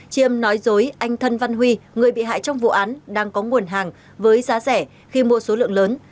chiêm nói dối anh thân văn huy người bị hại trong vụ án đang có nguồn hàng với giá rẻ khi mua số lượng lớn